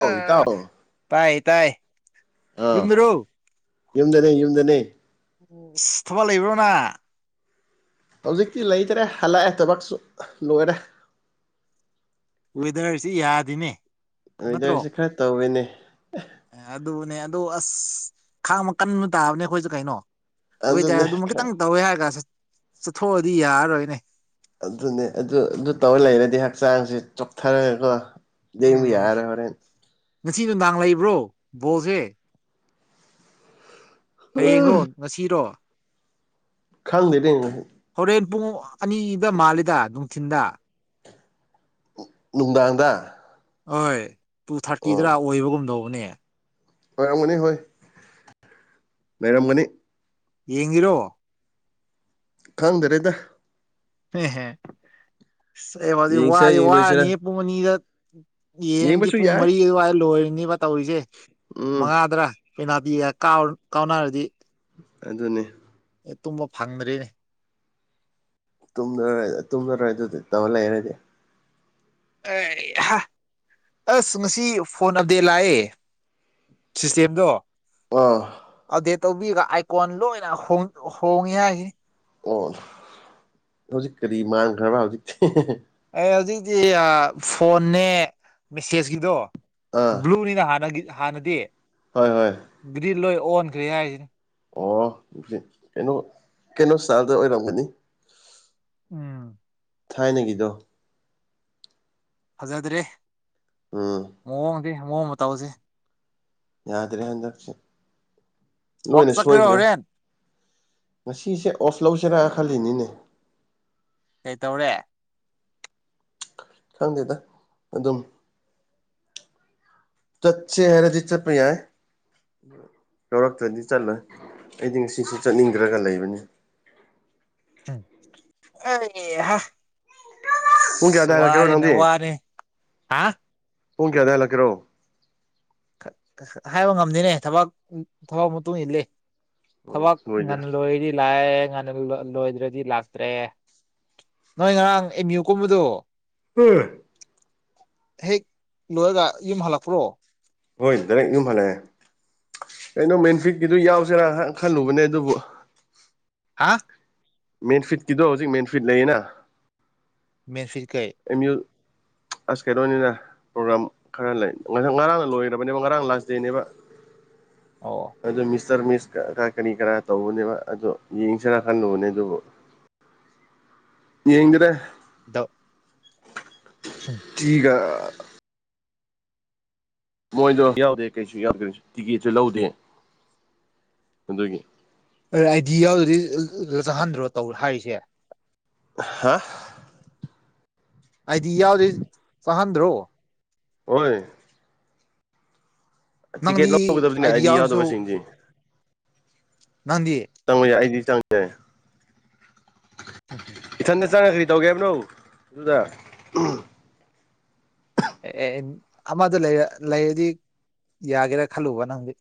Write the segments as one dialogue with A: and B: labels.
A: ꯑꯧ ꯏꯇꯥꯎ
B: ꯇꯥꯏ ꯇꯥꯏ
A: ꯑꯥ
B: ꯌꯨꯝꯗꯔꯣ
A: ꯌꯨꯝꯗꯅꯦ ꯌꯨꯝꯗꯅꯦ
B: ꯁꯤꯠ ꯊꯕꯛ ꯂꯩꯕ꯭ꯔꯣ ꯅꯪ
A: ꯍꯧꯖꯤꯛꯇꯤ ꯂꯩꯇ꯭ꯔꯦ ꯍꯜꯂꯛꯑꯦ ꯊꯕꯛꯁꯨ ꯂꯣꯏꯔꯦ
B: ꯋꯦꯗꯔꯁꯤ ꯌꯥꯗ‌ꯦꯅꯦ
A: ꯋ‌ꯦꯗꯔꯁꯤ ꯈꯔ ꯇꯧꯋ‌ꯦꯅꯦ
B: ꯑꯦ ꯑꯗꯨꯅꯦ ꯑꯗꯨ ꯑꯁ ꯈꯥꯡꯕ ꯀꯟꯕ ꯇꯥꯕꯅꯦ ꯑꯩꯈꯣꯏꯁꯨ ꯀꯩꯅꯣ ꯋꯦꯗꯔ
A: ꯑꯗꯨꯅꯦ
B: ꯑꯗꯨꯃ
A: ꯈꯔ
B: ꯈꯤꯇꯪ ꯇꯧꯋꯦ ꯍꯥꯏꯔꯒ ꯆꯠꯊꯣꯛꯑꯗꯤ ꯌꯥꯔꯔꯣꯏꯅꯦ
A: ꯑꯗꯨꯅꯦ ꯑꯗꯨ ꯑꯗꯨ ꯇꯧꯔ ꯂꯩꯔꯗꯤ ꯍꯛꯆꯥꯡꯁꯦ ꯆꯣꯛꯊꯔꯒꯀꯣ ꯂ‌ꯦꯡꯕ
B: ꯎꯝ
A: ꯌꯥꯔꯔ‌ꯣꯏ ꯍꯣꯔꯦꯟ
B: ꯉꯁꯤ ꯅꯨꯡꯗꯥꯡ ꯂꯩꯕ꯭ꯔꯣ ꯕꯣꯜꯖ‌ꯦ ꯍꯌꯦꯡꯔꯣ ꯉꯁꯤꯔꯣ
A: ꯈꯪꯗ‌ꯦꯅ‌ꯦ
B: ꯍꯣꯔꯦꯟ ꯄꯨꯡ ꯑꯅꯤꯗ ꯃꯥꯜꯂꯤꯗ ꯅꯨꯡꯊꯤꯟꯗ
A: ꯅꯨꯡꯗꯥꯡꯗ
B: ꯍꯣꯏ ꯇꯨ
A: ꯑꯣ
B: ꯊꯥꯔꯇꯤꯗꯔ ꯑꯣꯏꯕꯒꯨꯝ ꯇꯧꯕꯅꯦ
A: ꯑꯣꯏꯔꯝꯒꯅꯤ ꯍꯣꯏ ꯂꯩꯔꯝꯒꯅꯤ
B: ꯌꯦꯡꯉꯤꯔꯣ
A: ꯈꯪꯗꯔꯦꯗ
B: ꯍꯍ ꯑꯩ ꯍ‌ꯣꯖꯤ
A: ꯌꯦꯡꯁꯤꯔ
B: ꯋꯥꯗꯤ
A: ꯌꯦꯡꯂꯣꯏꯁꯤꯔ
B: ꯋꯥꯔꯅꯤꯍ‌ꯦ ꯄꯨꯡ ꯑꯅꯤꯗ ꯌꯦꯟꯗꯤ
A: ꯌꯦꯡꯕꯁꯨ
B: ꯄꯨꯡ
A: ꯌꯥꯏ
B: ꯃꯔꯤ ꯑꯗꯨꯋꯥꯏꯗ ꯂꯣꯏꯔꯅꯤꯕ ꯇꯧꯔꯤꯁꯦ
A: ꯎꯝ
B: ꯃꯉꯥꯗ꯭ꯔꯥ ꯄ‌ꯦꯅꯥꯜꯇꯤꯒ ꯀꯥꯎ ꯀꯥꯎꯅꯔꯗꯤ
A: ꯑꯗꯨꯅꯤ
B: ꯑꯇ‌ꯣꯞꯄ ꯐꯪꯗ꯭ꯔꯦꯅꯦ
A: ꯇꯨꯝꯂꯔ‌ꯣꯏ ꯇꯨꯝꯂꯔ‌ꯣꯏ ꯑꯗꯨꯗꯤ ꯇꯧ ꯂꯩꯔꯗꯤ
B: ꯑꯩ ꯍꯥ ꯑꯁ ꯉꯁꯤ ꯐꯣꯟ ꯑꯞꯗꯦꯠ ꯂꯥꯛꯑꯦ ꯁꯤꯁꯇꯦꯝꯗꯣ
A: ꯑꯣ
B: ꯑꯞꯗꯦꯠ ꯇꯧꯕꯤꯔꯒ ꯑꯥꯏꯀꯣꯟ ꯂꯣꯏꯅ ꯍꯣꯡ ꯍꯣꯡꯉꯦ ꯍꯥꯏꯅꯤ
A: ꯑꯣ ꯍꯧꯖꯤꯛ ꯀꯔꯤ ꯃꯥꯟꯈ꯭ꯔꯕ ꯍꯧꯖꯤꯛꯇꯤ
B: ꯑ ꯍꯧꯖꯤꯛꯇꯤ ꯐꯣꯟꯅꯦ ꯃꯦꯁꯦꯁꯀꯤꯗꯣ
A: ꯑꯥ
B: ꯕ꯭ꯂꯨꯅꯤꯅ ꯍꯥꯟꯅꯒꯤ ꯍꯥꯟꯅꯗꯤ
A: ꯍꯣꯏ ꯍꯣꯏ
B: ꯒ꯭ꯔꯤꯟ ꯂꯣꯏ ꯑꯣꯟꯈ꯭ꯔꯦ ꯍꯥꯏꯔꯤꯖꯤꯅꯤ
A: ꯑꯣ ꯀꯩꯅꯣ ꯀꯩꯅꯣ ꯏꯁꯇꯥꯏꯜꯗ ꯑꯣꯏꯔꯝꯒꯅꯤ
B: ꯎꯝ
A: ꯊꯥꯏꯅꯒꯤꯗꯣ
B: ꯐꯖꯗ꯭ꯔꯦ
A: ꯎꯝ
B: ꯃꯑꯣꯡꯗꯤ ꯃꯑꯣꯡ ꯃꯇꯧꯁꯤ
A: ꯌꯥꯗ꯭ꯔꯦ ꯍꯟꯗꯛꯁꯦ
B: ꯋꯥꯛ
A: ꯂꯣꯏꯅ
B: ꯆꯠꯀꯦꯔꯣ
A: ꯁꯣꯏꯈ꯭ꯔꯦ
B: ꯍꯣꯔꯦꯟ
A: ꯉꯁꯤꯁꯦ ꯑꯣꯐ ꯂꯧꯁꯤꯔꯥ ꯈꯜꯂꯤꯅꯤꯅꯦ
B: ꯀꯩꯇꯧꯔꯦ
A: ꯈꯪꯗꯦꯗ ꯑꯗꯨꯝ ꯆꯠꯁꯦ ꯍꯥꯏꯔꯗꯤ ꯆꯠꯄ ꯌꯥꯏ ꯌꯥꯎꯔꯛꯇ꯭ꯔꯗꯤ ꯆꯠꯂꯣꯏ ꯑꯩꯗꯤ ꯉꯁꯤꯁꯦ ꯆꯠꯅꯤꯡꯗ꯭ꯔꯒ ꯂꯩꯕꯅꯤ
B: ꯑꯩꯍꯥ
A: ꯄꯨꯡ
B: ꯑꯁ
A: ꯀꯌꯥꯗ ꯍꯜꯂꯛꯀꯦꯔꯣ
B: ꯋꯥꯔꯦꯅꯦ
A: ꯅꯪꯗꯤ
B: ꯋꯥꯔꯦ ꯍꯥ
A: ꯄꯨꯡ ꯀꯌꯥꯗ ꯍꯜꯂꯛꯀꯦꯔꯣ
B: ꯍꯥꯏꯕ ꯉꯝꯗꯦꯅꯦ ꯊꯕꯛ ꯊꯕꯛ ꯃꯇꯨꯡ ꯏꯜꯂꯤ
A: ꯑꯣ
B: ꯊꯕꯛ
A: ꯂꯣꯏꯗꯦ
B: ꯉꯟꯅ ꯂꯣꯏꯔꯗꯤ ꯂꯥꯛꯑꯦ ꯉ ꯂꯣꯏꯗ꯭ꯔꯗꯤ ꯂꯥꯛꯇ꯭ꯔꯦ ꯅꯣꯏ ꯉꯔꯥꯡ ꯑꯦꯝ ꯌꯨ ꯀꯨꯝꯕꯗꯣ
A: ꯎꯝ
B: ꯍꯦꯛ ꯂꯣꯏꯔꯒ ꯌꯨꯝ ꯍꯜꯂꯛꯄ꯭ꯔꯣ
A: ꯍꯣꯏ ꯗꯥꯏꯔꯦꯛ ꯌꯨꯝ ꯍꯜꯂꯛꯑꯦ ꯀꯩꯅꯣ ꯃꯦꯟꯐꯤꯠꯀꯤꯗꯨ ꯌꯥꯎꯁꯦꯔꯥ ꯈꯜꯂꯨꯕꯅꯦ ꯑꯗꯨꯕꯨ
B: ꯍꯥꯥ
A: ꯃꯦꯟꯐꯤꯠꯀꯤꯗꯣ ꯍꯧꯖꯤꯛ ꯃꯦꯟꯐꯤꯠ ꯂꯩꯌꯦꯅ
B: ꯃꯦꯟꯐꯤꯠ ꯀꯩ
A: ꯑꯦꯝ ꯌꯨ ꯑꯁ ꯀꯩꯅꯣꯅꯤꯅ ꯄ꯭ꯔꯣꯒ꯭ꯔꯥꯝ ꯈꯔ ꯂꯩ ꯉꯔꯥꯡꯅ ꯂꯣꯏꯈ꯭ꯔꯕꯅꯦꯕ ꯉꯔꯥꯡ ꯂꯥꯁ ꯗꯦꯅꯦꯕ
B: ꯑꯣ
A: ꯑꯗꯨ ꯃꯤꯁꯇꯔ ꯃꯤꯁ ꯀꯔꯤ ꯀꯔꯥ ꯇꯧꯕꯅꯦꯕ ꯑꯗꯣ ꯌꯦꯡꯁꯤꯔ ꯈꯜꯂꯨꯕꯅꯦ ꯑꯗꯨꯕꯨ
B: [unintelligible]
A: ꯌꯦꯗꯔꯦ
B: ꯗ
A: ꯇꯤꯒ ꯃꯣꯏꯗꯣ ꯌꯥꯎꯗꯦ ꯀꯩꯁꯨ ꯌꯥꯎꯗꯦ ꯇꯤꯛꯀꯦꯠꯁꯨ ꯂꯧꯗꯦ ꯑꯗꯨꯒꯤ
B: ꯑꯥꯏꯗꯤ ꯌꯥꯎꯗꯗꯤ ꯆꯪꯍꯟꯗ꯭ꯔꯣ ꯇꯧ ꯍꯥꯏꯔꯤꯁꯦ
A: ꯍꯥ
B: ꯍꯥꯏꯗꯤ ꯌꯥꯎꯗꯦ ꯆꯥꯍꯟꯗ꯭ꯔꯣ
A: ꯍꯣꯏ
B: ꯅꯪꯗꯤ
A: ꯇꯤꯀꯦꯠ ꯂꯧꯒꯗꯕꯅꯤꯅꯦ ꯑꯥꯏꯗꯤ ꯌꯥꯎꯗꯕꯁꯤꯡꯁꯦ
B: ꯅꯪꯗꯤ
A: ꯆꯪꯕ ꯌꯥꯏ ꯑꯩꯗꯤ ꯆꯪꯕ ꯌꯥꯏ
B: ꯆꯦ
A: ꯏꯊꯟꯗ ꯆꯪꯅ ꯀꯔꯤ ꯇꯧꯒꯦ ꯍꯥꯏꯕꯅꯣ ꯑꯗꯨꯗ
B: ꯑꯦ ꯑꯦ ꯑꯃꯗꯣ ꯂꯩ ꯂꯩꯔꯗꯤ ꯌꯥꯒꯦꯔꯥ ꯈꯜꯂꯨꯕ ꯅꯪꯗꯤ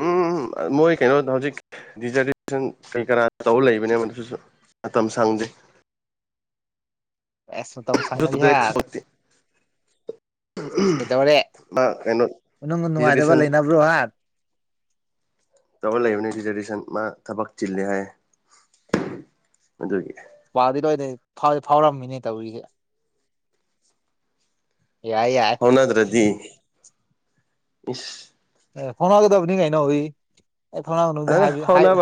A: ꯎꯝ ꯃꯣꯏ ꯀꯩꯅꯣ ꯍꯧꯖꯤꯛ ꯔꯤꯖꯦꯁꯟ ꯀꯩ ꯀꯔꯥ ꯇꯧꯕ ꯂꯩꯕꯅꯦ ꯑꯗꯨꯁꯨ ꯃꯇꯝ ꯁꯪꯗꯦ
B: ꯑꯦꯁ ꯇꯝ ꯁꯒꯗꯤ ꯍꯥꯏ ꯆꯁ ꯀꯩꯗꯧꯔꯦ
A: ꯀꯩꯅꯣ
B: ꯅꯨꯡ ꯅꯨꯡꯉꯥꯏꯇꯕ
A: ꯗꯤꯖꯔꯇꯦꯁꯟ
B: ꯂꯩꯅꯕ꯭ꯔꯣ ꯍꯥꯏ
A: ꯇꯧꯔ ꯂꯩꯕꯅꯤ ꯔꯤꯖꯔꯦꯁꯟ ꯃꯥ ꯊꯕꯛ ꯆꯤꯜꯂꯤ ꯍꯥꯏ ꯑꯗꯨꯒꯤ
B: ꯋꯥꯗꯤ ꯂꯣꯏꯅ ꯐ ꯐꯥꯎꯔꯝꯃꯤꯅꯦ ꯇꯧꯔꯤꯁꯦ ꯌꯥꯏ ꯌꯥꯏ
A: ꯍꯅ ꯑꯗꯨ꯭ꯔꯗꯤꯗꯤ ꯏꯁ
B: ꯑꯦ ꯊꯥꯎꯅꯥꯒꯗꯕꯅꯤ ꯀꯩꯅꯣ ꯎꯏ ꯑꯦ ꯊꯥꯎꯅꯥ ꯃꯅꯨꯡꯗ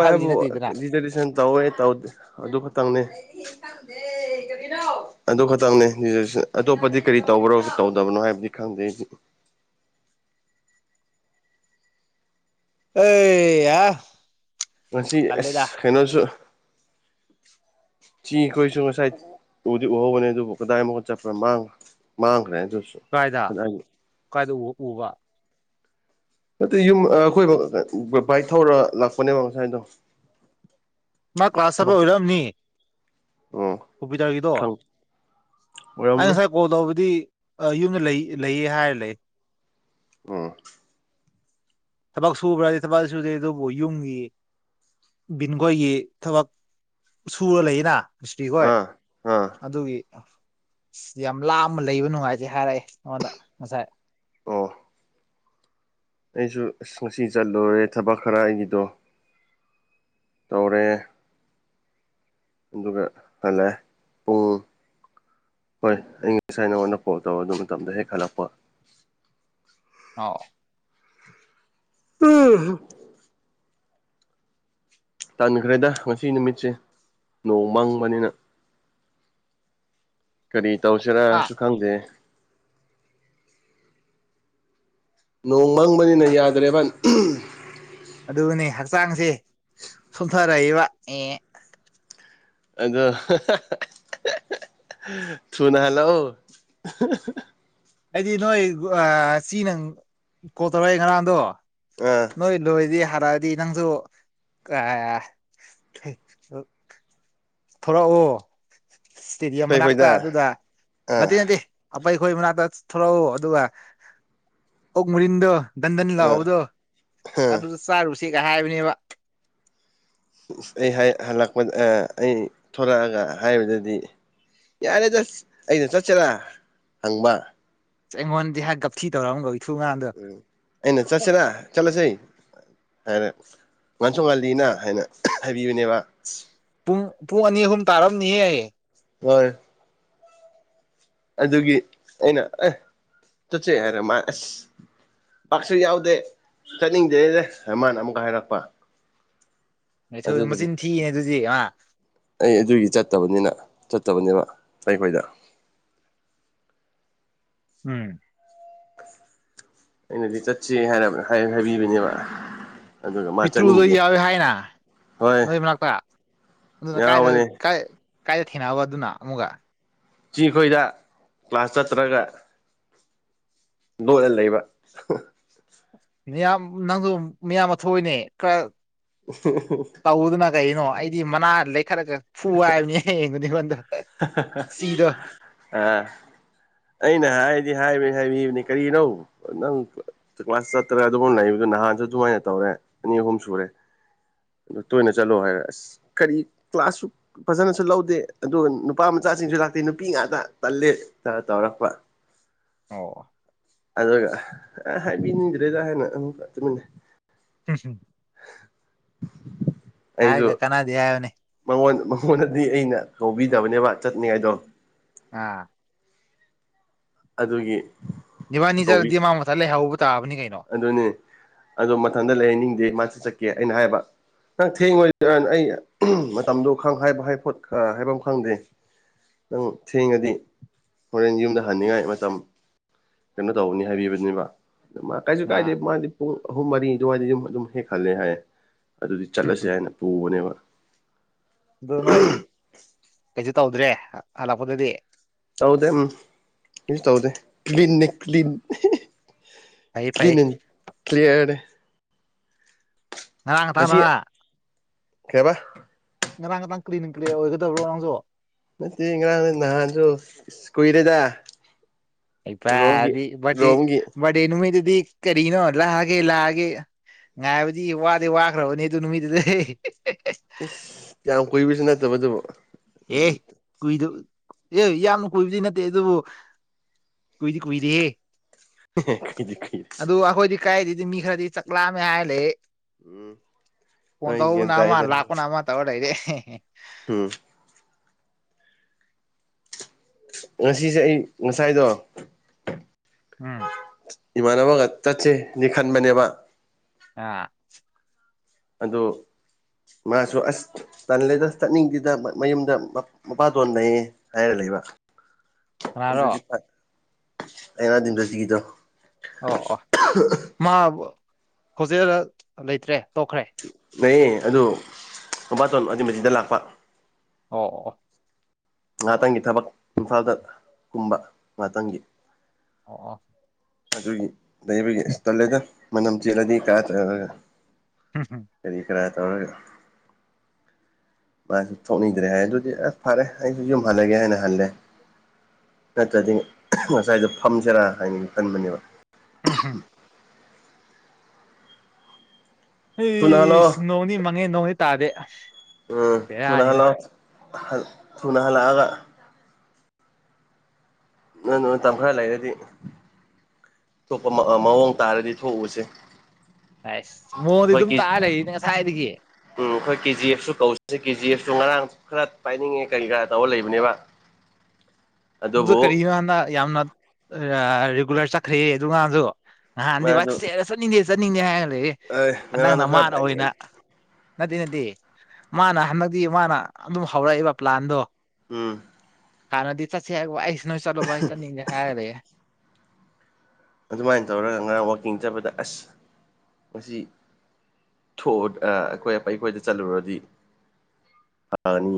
B: ꯍꯥꯏꯗꯤ ꯅꯠꯇꯦꯗꯅ
A: ꯗꯗꯤ ꯇꯧꯋꯦ ꯇꯧꯗꯦ ꯑꯗꯨ ꯈꯛꯇꯪꯅꯤ ꯑꯗꯨ ꯈꯛꯇꯪꯅꯦ ꯑꯇꯣꯞꯄꯗꯤ ꯀꯔꯤ ꯇꯧꯕ꯭ꯔꯣ ꯇꯧꯗꯕꯅꯣ ꯍꯥꯏꯕꯗꯤ ꯈꯪꯗꯩ
B: ꯑꯦ ꯌꯥ
A: ꯉꯁꯤ ꯑꯁ ꯀꯩꯅꯣꯁꯨ ꯆꯤ ꯀꯣꯏꯁꯨ ꯉꯁꯥꯏ ꯎꯗꯤ ꯎꯍꯧꯕꯅꯦ ꯑꯗꯨꯕꯨ ꯀꯗꯥꯏ ꯑꯃꯨꯛꯀ ꯆꯠꯄ꯭ꯔꯣ ꯃꯥꯡꯕ꯭ꯔꯣ ꯃꯥꯡꯒꯈ꯭ꯔꯦ ꯇꯁꯨ
B: ꯀꯥꯏꯗ ꯀꯥꯏꯗ ꯎꯕ
A: ꯑꯗꯨ ꯌꯨꯝ ꯑꯩꯈꯣꯏ ꯕꯥꯏꯛ ꯊꯧꯔ ꯂꯥꯛꯄꯅꯦꯕ ꯉꯁꯥꯏꯅꯗꯣ
B: ꯃꯥ ꯀ꯭ꯂꯥꯁ [unintelligible] ꯑꯣꯏꯔꯛꯑꯝꯅꯤ
A: ꯎꯝ ꯈꯪ
B: [unintelligible]
A: [unintelligible]
B: ꯑꯩ ꯉꯁꯥꯏ ꯀꯣꯜ ꯇꯧꯕꯗꯤ ꯑꯩ ꯌꯨꯝꯗ ꯂꯩ ꯂꯩꯌꯦ ꯍꯥꯏꯔ ꯂꯩ ꯫
A: ꯎꯝ
B: ꯊꯕꯛ ꯁꯨꯕ꯭ꯔꯗꯤ ꯊꯕꯛ ꯁꯨꯗꯦ ꯑꯗꯨꯕꯨ ꯌꯨꯝꯒꯤ ꯕꯤꯟꯈꯣꯏꯒꯤ ꯊꯕꯛ ꯁꯨꯔ ꯂꯩꯌꯦꯅ ꯃꯤꯁꯇ꯭ꯔꯤꯈꯣꯏ
A: ꯑꯥ ꯑꯥ
B: ꯑꯗꯨꯒꯤ ꯌꯥꯝ ꯂꯥꯞꯅ ꯂꯩꯕ ꯅꯨꯡꯉꯥꯏꯇ‌ꯦ ꯍꯥꯏꯔꯛꯑꯦ ꯑꯩꯉꯣꯟꯗ ꯉꯁꯥꯏ ꯫
A: ꯑꯥ ꯑꯩꯁꯨ ꯑꯁ ꯉꯁꯤ ꯆꯠꯂꯨꯔꯦ ꯊꯕꯛ ꯈꯔ ꯑꯩꯒꯤꯗꯣ ꯫ ꯇꯧꯔꯦ ꯑꯗꯨꯒ ꯍꯜꯂꯦ ꯄꯨꯡ ꯍꯣꯏ ꯑꯩ ꯉꯁꯥꯏ ꯅꯉꯣꯟꯗ ꯐꯣꯟ ꯇꯧꯔ‍ꯦ ꯑꯗꯨ ꯃꯇꯝꯗ ꯍꯦꯛ ꯍꯜꯂꯛꯄ
B: ꯑ
A: [unintelligible] ꯇꯥꯟꯈ꯭ꯔꯦꯗ ꯉꯁꯤ ꯅꯨꯃꯤꯠꯁꯦ ꯅꯣꯡ ꯃꯪꯕꯅꯤꯅ ꯫ ꯀꯔꯤ
B: ꯍꯥ
A: ꯇꯧꯁꯤꯔꯥꯁꯨ ꯈꯪꯗꯦ ꯫ ꯅꯣꯡ ꯃꯪꯕꯅꯤꯅ ꯌꯥꯗ꯭ꯔꯦꯕ ꯫
B: ꯑꯗꯨꯅꯦ ꯍꯛꯆꯥꯡꯁꯦ ꯁꯣꯊꯔꯛꯏꯕ ꯑꯦ ꯫
A: ꯑꯗꯨꯗꯣ ꯊꯨꯅ ꯍꯜꯂꯛꯑ‌ꯣ
B: ꯑꯩꯗꯤ ꯅꯣꯏ ꯑꯥ ꯁꯤ ꯅꯪ ꯀꯣꯜ ꯇꯧꯔꯛꯑꯦ ꯉꯔꯥꯡꯗꯣ ꯫
A: ꯑꯥ
B: ꯅꯣꯏ ꯂꯣꯏꯔꯗꯤ ꯍꯥꯏꯔꯛꯑꯗꯤ ꯅꯪꯁꯨ ꯑꯥ ꯊ‌ꯣꯂꯛꯑꯣ ꯏꯁꯇꯦꯗꯤꯌꯝ
A: ꯑꯩꯈꯣꯏ
B: ꯃꯅꯥꯛꯇ
A: ꯈꯣꯏꯗ
B: ꯑꯗꯨꯗ
A: ꯑꯥ
B: ꯅꯠꯇꯦ ꯅꯠꯇꯦ ꯫ ꯑꯄꯩ ꯈꯣꯏ ꯃꯅꯥꯛꯇ ꯊꯣꯛꯂꯛꯎ ꯑꯗꯨꯒ ꯑꯣꯛ ꯃꯨꯔꯤꯟꯗꯣ ꯗꯟꯗꯟ
A: ꯑꯥ
B: ꯂꯥꯎꯕꯗꯣ ꯑꯗꯨꯗ ꯆꯥꯔꯨꯁꯦꯒ ꯍꯥꯏꯕꯅꯦꯕ ꯫
A: ꯑꯩ ꯍꯥꯏ ꯍꯜꯂꯛꯄ ꯑꯥ ꯑꯩ ꯊ‌ꯣꯂꯛꯑꯒ ꯍꯥꯏꯕꯗꯗꯤ ꯌꯥꯔꯦꯗ ꯑꯩꯅ ꯆꯠꯁ‌ꯦꯔꯥ ꯍꯪꯕ
B: ꯑꯩꯉꯣꯟꯗꯗꯤꯍꯥ ꯒꯥꯞꯊꯤ ꯇꯧꯔꯛꯑꯝꯕ
A: ꯎꯪ ꯑꯩꯅ ꯆꯠꯁꯤꯔ ꯆꯂꯥꯁꯦ ꯍꯥꯏꯅ ꯉꯟꯁꯣ ꯉꯜꯂꯤꯅ ꯍꯥꯏꯅ ꯍꯥꯏꯕꯤꯕꯥꯅꯦꯕ
B: ꯄꯨꯡ ꯄꯨꯡ ꯑꯅꯤ ꯑꯍꯨꯝ ꯇꯥꯔꯝꯅꯤꯍꯦ ꯫
A: ꯋꯥꯏ ꯑꯗꯨꯒꯤ ꯑꯩꯅ ꯑꯦ ꯆꯠꯆ‍ꯦ ꯍꯥꯏꯔ ꯃꯥ ꯑꯁ ꯄꯥꯛꯁꯨ ꯌꯥꯎꯗꯦ ꯆꯠꯅꯤꯡꯗꯦꯗ ꯃꯥꯅ ꯑꯃꯨꯛꯀ ꯍꯥꯏꯔꯛꯄ ꯑꯗꯨꯗꯒꯤ
B: ꯃꯆꯤꯟ ꯊꯤꯅꯦ ꯑꯗꯨꯗꯤ ꯃꯥ
A: ꯑꯩ ꯑꯗꯨꯒꯤ ꯆꯠꯇꯕꯅꯤꯅ ꯆꯠꯇꯕꯅꯦꯕ ꯑꯩꯈꯣꯏꯗ
B: ꯎꯝ
A: ꯑꯩꯅꯗꯤ ꯆꯠꯁꯦ ꯍꯥꯏꯅ ꯍꯥꯏꯕꯤꯕꯅꯦꯕ ꯫
B: ꯄꯤꯇ꯭ꯔꯨꯗꯣ ꯌꯥꯎꯔ‌ꯣꯏ ꯍꯥꯏꯅ
A: ꯍꯣꯏ
B: ꯅꯣꯏ ꯃꯅꯥꯛꯇ ꯑꯗꯨꯅ ꯀꯥꯏꯗ
A: ꯌꯥꯎꯕꯅꯦ
B: ꯀꯥꯏꯗ ꯀꯥꯏꯗ ꯊꯦꯡꯅꯕ ꯑꯗꯨꯅ ꯑꯃꯨꯛꯀ
A: ꯈꯣꯏꯗ ꯀ꯭ꯂꯥꯁ ꯆꯠꯇ꯭ꯔꯒ ꯅ‌ꯣꯛꯑ ꯂꯩꯕ
B: ꯌꯥꯝ ꯅꯪꯁꯨ ꯃꯤꯌꯥꯝꯕ ꯊꯣꯛꯎꯅꯦ ꯈ꯭ꯔꯥ
A: [inaudible]
B: ꯇꯧꯑ‌ꯣꯗꯅ ꯀꯩꯅꯣ ꯑꯩꯗꯤ ꯃꯅꯥ ꯂꯩꯈꯠꯂꯒ ꯐꯨꯋꯥꯕꯅꯤꯍ‌ꯦ ꯁꯤꯗ‌ꯣ
A: ꯑꯥ ꯑꯩꯅ ꯍꯥꯏꯗꯤ ꯍꯥꯏꯕꯅꯤ ꯍꯥꯏꯕꯤꯕꯅꯤ ꯀꯔꯤꯅꯣ ꯅꯪ ꯀ꯭ꯂꯥꯁ ꯆꯠꯇ꯭ꯔꯒ ꯑꯗꯨꯝ ꯂꯩꯕꯗ ꯅꯍꯥꯟꯁꯨ ꯑꯗꯨꯃꯥꯏꯅ ꯇꯧꯔꯦ ꯑꯅꯤ ꯑꯍꯨꯝ ꯁꯨꯔꯦ ꯑꯗꯨ ꯇꯣꯏꯅ ꯆꯠꯂꯣ ꯍꯥꯏꯔꯦ ꯑꯁ ꯀꯔꯤ ꯀ꯭ꯂꯥꯁꯁꯨ ꯐꯖꯅꯁꯨ ꯂꯧꯗꯦ ꯑꯗꯨꯒ ꯅꯨꯄꯥ ꯃꯆꯥꯁꯤꯡꯁꯨ ꯂꯥꯛꯇꯦ ꯅꯨꯄꯤ ꯉꯥꯛꯇ ꯇꯜꯂꯦ ꯇꯧꯔꯛꯄ
B: ꯑꯣ
A: ꯑꯗꯨꯒ ꯍꯥꯏꯕꯤꯅꯤꯡꯗ꯭ꯔꯦꯗ ꯍꯥꯏꯦꯅ ꯑꯃꯨꯛ ꯇꯨꯃꯤꯟꯅ
B: ꯎ
A: ꯑꯩꯁꯨ
B: ꯍꯥꯏꯔꯒ ꯀꯅꯥꯗꯦ ꯍꯥꯏꯕꯅꯦ
A: ꯃꯉꯣꯟ ꯃꯉꯣꯟꯗꯗꯤ ꯑꯩꯅ ꯀꯧꯕꯤꯗꯕꯅꯦꯕ ꯆꯠꯅꯤꯡꯉꯥꯏꯗꯣ
B: ꯑꯥ
A: ꯑꯗꯨꯒꯤ
B: ꯏꯕꯥꯅꯤ ꯆꯂꯗꯤ ꯃꯥꯥ ꯃꯊꯟ ꯂꯩꯍꯧꯕ ꯇꯥꯕꯅꯤ ꯀꯩꯅꯣ
A: ꯑꯗꯨꯅꯦ ꯑꯗꯣ ꯃꯊꯟꯗ ꯂꯩꯅꯤꯡꯗꯦ ꯃꯥꯁꯨ ꯆꯠꯀꯦ ꯑꯩꯅ ꯍꯥꯏꯕ ꯅꯪ ꯊꯦꯡꯉꯣꯏ ꯑꯩ ꯃꯇꯝꯗꯣ ꯈꯪ ꯍꯥꯏꯕ ꯍꯥꯏ ꯈꯣꯠ ꯈꯔ ꯍꯥꯏꯐꯝ ꯈꯪꯗꯦ ꯅꯪ ꯊꯦꯡꯉꯗꯤ ꯍꯣꯔꯦꯟ ꯌꯨꯝꯗ ꯍꯟꯅꯤꯡꯉꯥꯏ ꯃꯇꯝ ꯀꯩꯅꯣ ꯇꯧꯕꯅꯤ ꯍꯥꯏꯕꯤꯕꯗꯨꯅꯤꯕ ꯑꯗꯨ ꯃ ꯀꯥꯏꯁꯨ ꯀꯥꯏꯗꯦ
B: ꯑꯥ
A: ꯃꯥꯗꯤ ꯄꯨꯡ ꯑꯍꯨꯝ ꯃꯔꯤ ꯑꯗꯨꯋꯥꯏꯗ ꯌꯨꯝ ꯑꯗꯨꯝ ꯍꯦꯛꯍꯜꯂꯦ ꯍꯥꯏꯌꯦ ꯑꯗꯨꯗꯤ ꯆꯠꯂꯁꯦ ꯍꯥꯏꯅ ꯄꯨꯕꯅꯦꯕ
B: ꯑꯗꯨ ꯅꯣꯏ ꯀꯩꯁꯨ ꯇꯧꯗ꯭ꯔꯦ ꯍꯜꯂꯛꯄꯗꯗꯤ
A: ꯇꯧꯗꯦ ꯎꯝ ꯀꯩꯁꯨ ꯇꯧꯗꯦ ꯀ꯭ꯂꯤꯟꯅꯦ ꯀ꯭ꯂꯤꯟ
B: ꯐꯩ ꯐꯩ
A: ꯀ꯭ꯂꯤꯟ ꯑꯦꯟ ꯀ꯭ꯂꯤꯌꯥꯔꯅꯦ
B: ꯉꯔꯥꯡ ꯉꯇꯥꯡ
A: ꯉꯁꯤ ꯀꯩꯕ
B: ꯉꯔꯥꯡ ꯉꯔꯥꯡ ꯀ꯭ꯂꯤꯟ ꯑꯦꯟ ꯀ꯭ꯂꯤꯌꯥꯔ ꯑꯣꯏꯒꯗꯕ꯭ꯔꯣ ꯅꯪꯁꯨ
A: ꯅꯠꯇꯦꯏ ꯉꯔꯥꯡ ꯅꯍꯟꯁꯨ ꯏꯁ ꯀꯨꯏꯔꯦꯗ ꯔꯣꯝꯒꯤ
B: ꯍꯩꯄꯗꯤ ꯕꯔꯗꯦ
A: ꯔꯣꯝꯒꯤ
B: ꯕꯔꯗꯦ ꯅꯨꯃꯤꯠꯇꯗꯤ ꯀꯔꯤꯅꯣ ꯂꯥꯛꯑꯒꯦ ꯂꯥꯛꯑꯒꯦ ꯉꯥꯏꯕꯗꯤ ꯋꯥꯗꯤ ꯋꯥꯈ꯭ꯔꯕꯅꯦ ꯑꯗꯨ ꯅꯨꯃꯤꯠꯇꯨꯗꯩ
A: ꯏꯁ ꯌꯥꯝ ꯀꯨꯏꯕꯁꯨ ꯅꯠꯇꯕꯗꯨꯕꯨ
B: ꯑꯦ ꯀꯨꯏꯗ ꯑꯦ ꯌꯥꯝꯅ ꯀꯨꯏꯕꯗꯤ ꯅꯠꯇꯦ ꯑꯗꯨꯕꯨ ꯀꯨꯏꯗꯤ ꯀꯨꯏꯗꯦꯍꯦ
A: ꯀꯨꯏꯗꯤ ꯀꯨꯏꯔꯦ
B: ꯑꯗꯨ ꯑꯩꯈꯣꯏꯗꯤ ꯀꯥꯏꯗꯗꯤ ꯃꯤ ꯈꯔꯗꯤ ꯆꯥꯛꯂꯥꯝꯃꯦ ꯍꯥꯏꯂꯦ
A: ꯎꯝ
B: ꯐꯣꯟ
A: ꯍꯣꯏ ꯒ꯭ꯌꯥꯟ
B: ꯇꯧꯕꯅ ꯑꯃ
A: ꯇꯥꯏꯗ
B: ꯂꯥꯛꯄꯅ ꯑꯃ ꯇꯩꯔ ꯂꯩꯔꯦ
A: ꯎꯝ ꯉꯁꯤꯁꯦ ꯑꯩ ꯉꯁꯥꯏꯗꯣ
B: ꯎꯝ
A: ꯏꯃꯥꯟꯅꯕꯒ ꯆꯠꯁꯦꯅꯦ ꯈꯟꯕꯅꯦꯕ
B: ꯑ
A: ꯑꯗꯣ ꯃꯥꯁꯨ ꯑꯁ ꯇꯜꯂꯦꯗ ꯆꯠꯅꯤꯡꯗꯦꯗ ꯃꯌꯨꯝꯗ ꯃꯄꯥꯗꯣꯟ ꯅꯩꯌꯦ ꯍꯥꯏꯔ ꯂꯩꯕ
B: ꯀꯅꯥꯔꯣ
A: ꯑꯗꯨꯗꯤ ꯐꯠ ꯑꯩꯅꯗꯤꯗꯖꯤꯒꯤꯗꯣ
B: ꯑꯣ ꯑꯣ ꯃꯥ ꯍꯣꯖꯇꯦꯜꯗ ꯂꯩꯇ꯭ꯔꯦ ꯇꯣꯛꯈ꯭ꯔꯦ
A: ꯂꯩꯌꯦ ꯑꯗꯨ ꯃꯕꯥꯇꯣꯟ ꯑꯗꯨꯃꯗ ꯂꯥꯛꯄ
B: ꯑꯣ ꯑꯣ
A: ꯉꯥꯇꯪꯒꯤ ꯊꯕꯛ ꯏꯝꯐꯥꯜꯗ ꯀꯨꯝꯕ ꯉꯥꯇꯪꯒꯤ
B: ꯑꯣ ꯑꯣ
A: ꯑꯗꯨꯒꯤ ꯂꯩꯕꯒꯤ ꯇꯜꯂꯦꯗ ꯃꯅꯝ ꯆꯦꯜꯂꯗꯤ ꯀꯌꯥ ꯆꯠꯂꯒ
B: ꯍꯝ ꯍꯝ
A: ꯀꯔꯤ ꯀꯔꯥ ꯇꯧꯔꯒ ꯃꯥꯁꯨ ꯊꯣꯛꯅꯤꯡꯗ꯭ꯔꯦ ꯍꯥꯏ ꯑꯗꯨꯗꯤ ꯑꯁ ꯐꯔꯦ ꯑꯩꯁꯨ ꯌꯨꯝ ꯍꯜꯂꯒꯦ ꯍꯥꯏꯅ ꯍꯜꯂꯦ ꯅꯠꯇ꯭ꯔꯗꯤ ꯉꯁꯥꯏꯗꯣ ꯐꯝꯁꯦꯔꯥ ꯍꯥꯏꯅ ꯈꯟꯕꯅꯦꯕ
B: ꯎꯝ ꯍꯝ
A: ꯊꯨꯅ
B: ꯍꯦꯁꯁ
A: ꯍꯜꯂꯛꯑꯣ
B: ꯅꯣꯡꯗꯤ ꯃꯪꯉꯦ ꯅꯣꯡꯗꯤ ꯇꯥꯗꯦ
A: ꯎꯝ
B: ꯕꯦꯔꯥꯅꯤꯗ
A: ꯊꯨꯅꯍꯜꯂꯥꯛꯑꯣ ꯊꯨꯅꯍꯂꯥꯛꯑꯒ ꯅꯪ ꯇꯝ ꯈꯦꯂ ꯂꯩꯔꯗꯤ ꯊꯣꯛꯄ ꯃꯑꯣꯡ ꯇꯥꯔꯗꯤ ꯊꯣꯛꯎꯁꯦ
B: ꯑꯁ ꯃꯑꯣꯟꯗꯤ ꯑꯗꯨꯝ
A: ꯑꯩꯈꯣꯏꯒꯤ
B: ꯇꯥꯔ ꯂꯩꯅꯦ ꯉꯁꯥꯏꯗꯒꯤ
A: ꯎꯝ ꯑꯩꯈꯣꯏ ꯀꯦ ꯖꯤ ꯑꯦꯐꯁꯨ ꯀꯧꯁꯦ ꯀꯦ ꯖꯤ ꯑꯦꯐꯁꯨ ꯉꯔꯥꯡ ꯈꯔ ꯄꯥꯏꯅꯤꯡꯉꯦ ꯀꯔꯤ ꯀꯔꯥ ꯇꯧꯔ ꯂꯩꯕꯅꯦꯕ
B: [unintelligible] ꯑꯗꯨ
A: ꯑꯗꯨꯕꯨ
B: ꯀꯔꯤꯅꯣ ꯍꯥꯟꯗ ꯌꯥꯝꯅ ꯔꯤꯒꯨꯂꯔ ꯆꯠꯈ꯭ꯔꯦ ꯑꯗꯨꯀꯥꯟꯁꯨꯣ ꯅꯍꯥꯟ ꯍꯥꯟꯗꯗꯤ ꯋꯥ
A: ꯃꯥꯗꯨ
B: ꯆꯠꯁꯦꯔ ꯆꯠꯅꯤꯡꯗꯦ ꯆꯠꯅꯤꯡꯗꯦ ꯍꯥꯏ ꯂꯩ
A: ꯑꯦ ꯉꯔꯥꯡꯗꯣ
B: ꯍꯟꯗꯛꯅ
A: ꯈꯔ
B: ꯃꯥꯅ
A: ꯄꯥꯏꯅꯤꯡꯉꯦ
B: ꯑꯣꯏꯅ ꯅꯠꯇꯦ ꯅꯠꯇꯦ ꯃꯥꯅ ꯍꯟꯗꯛꯇꯤ ꯃꯥꯅ ꯑꯗꯨꯝ ꯍꯧꯔꯛꯏꯕ ꯄ꯭ꯂꯥꯟꯗꯣ
A: ꯎꯝ
B: ꯀꯥꯟꯅꯗꯤ ꯆꯁꯦ ꯋꯥꯏꯁ ꯅ ꯆꯂ ꯆ ꯍꯥꯏꯔꯦ
A: ꯑꯗꯨꯃꯥꯏꯅ ꯇꯧꯔꯒ ꯉꯔꯥꯡ ꯋꯥꯛꯀꯤꯡ ꯆꯠꯄꯗ ꯑꯁ ꯉ ꯊꯣꯛꯎ ꯑꯩꯈꯣꯏ ꯑ ꯑꯩꯈꯣꯏꯗ ꯆꯠꯂꯨꯔꯗꯤ ꯑꯅꯤ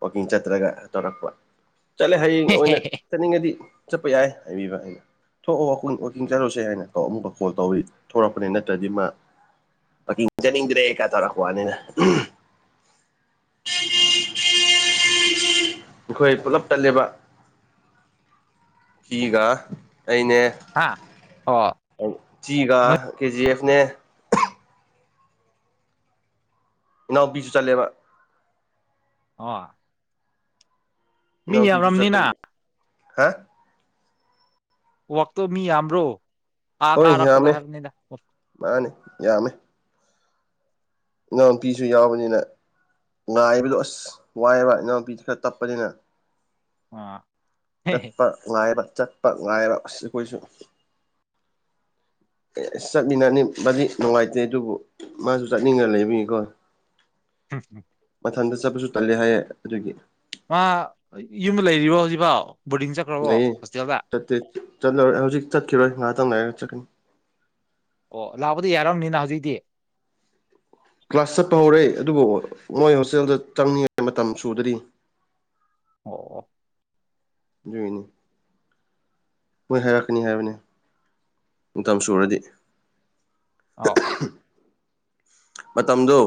A: ꯋꯥꯀꯤꯡ ꯆꯠꯇ꯭ꯔꯒ ꯇꯧꯔꯛꯄ ꯆꯠꯂꯦ ꯍꯌꯦꯡ ꯑꯣꯏꯅ ꯆꯠꯅꯤꯡꯉꯗꯤ ꯆꯠꯄ ꯌꯥꯏ ꯍꯥꯏꯕꯤꯕ ꯑꯩꯅ ꯊꯣꯛꯑꯣ ꯋꯥꯈ ꯋꯥꯋꯀꯤꯡ ꯆꯠꯔꯨꯁꯦ ꯍꯥꯏꯅ ꯑꯃꯨꯛ ꯀꯣꯜ ꯇꯧꯔꯤꯤ ꯊꯣꯛꯣꯔꯛꯄꯅꯦ ꯅꯠꯇ꯭ꯔꯗꯤ ꯃꯥ ꯀꯤꯡꯖꯅꯤꯡꯗ꯭ꯔꯦ ꯀꯥꯏ ꯇꯧꯔꯛꯄ ꯋꯥꯅꯤꯅ [unintelligible] ꯑꯩꯈꯣꯏ ꯄꯨꯂꯞ ꯇꯠꯂꯦꯕ ꯐꯤꯒ ꯑꯅꯦ
B: ꯍꯥꯥ ꯑꯣ
A: ꯑꯦ ꯆꯤꯒ ꯀꯦꯖꯤ ꯑꯦꯐꯅꯦ ꯏꯅꯥꯎꯄꯤꯁꯨ ꯆꯠꯂꯦꯕ
B: ꯑꯣ ꯃꯤ
A: ꯑꯕꯤꯖꯨ ꯆ ꯆ
B: ꯌꯥꯝꯔꯝꯅꯤꯅ
A: ꯍꯥ
B: ꯋꯥꯛꯇ ꯃꯤ ꯌꯥꯝ꯭ꯔꯣ
A: ꯍꯣꯏ ꯌꯥꯝꯃꯦ ꯃꯥꯅꯤ ꯌꯥꯝꯃꯦ ꯉꯥꯡꯄꯤꯤꯁꯨ ꯌꯥꯎꯕꯅꯤꯅ ꯉꯥꯏꯕꯗꯣ ꯑꯁ ꯋꯥꯏꯑꯕ ꯏꯅꯥꯎꯄꯤꯁ ꯈꯔ ꯇꯞꯄꯅꯤm
B: ꯑꯥ
A: ꯆꯠꯄ ꯉꯥꯏꯕ ꯆꯠꯄ ꯉꯥꯏ ꯑꯩꯈꯣꯏꯁꯨ ꯑꯦ ꯑꯁ ꯆꯠꯃꯤꯟꯅꯅꯤꯡꯕꯗꯤ ꯅꯨꯡꯉꯥꯏꯇꯦ ꯑꯗꯨꯕꯨ ꯃꯥꯁꯨ ꯆꯠꯅꯤꯡꯉ ꯂꯩꯕꯅꯤꯀꯣ
B: ꯎꯝ ꯎꯝ
A: ꯃꯊꯟꯇ ꯆꯠꯄꯁꯨ ꯇꯜꯂꯦ ꯍꯥꯏꯌꯦ ꯑꯗꯨꯒꯤ
B: ꯃꯥ ꯌꯨꯝꯗ ꯂꯩꯔꯤꯕꯣ ꯍꯧꯖꯤꯛꯐꯥꯎ ꯕꯣꯔꯗꯤꯡ ꯆꯠ
A: ꯅꯌꯦ ꯆꯠꯇꯦ ꯆꯠꯂꯔꯣꯏ ꯍꯧꯖꯤꯛ ꯆꯠꯈꯤꯔꯣꯏ ꯉꯥꯏꯍꯥꯛꯇꯪ ꯉꯥꯏꯔꯒ ꯆꯠꯀꯅꯤ
B: ꯑꯣ ꯂꯥꯛꯄꯗꯤ ꯌꯥꯔꯔꯕꯅꯤꯅ ꯍꯧꯖꯤꯛꯇꯤ
A: ꯀ꯭ꯂꯥꯁ ꯆꯠꯄ ꯍꯧꯔꯛꯏ ꯑꯗꯨꯕꯨ ꯃꯣꯏ ꯍꯣꯁꯇꯦꯜꯗ ꯆꯪꯅꯤꯡꯉꯥꯏ ꯃꯇꯝ ꯁꯨꯗꯔꯤ
B: ꯑꯣ
A: ꯌꯨꯣꯏꯅꯤ ꯃꯣꯏ ꯍꯥꯏꯔꯛꯀꯅꯤ ꯍꯥꯏꯕꯅꯤ ꯇꯝ ꯁꯨꯔꯗꯤ
B: ꯑꯣ ꯑꯣ
A: ꯃꯇꯝꯗꯨꯣ